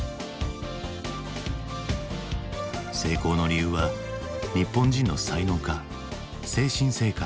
成功の理由は日本人の才能か精神性か。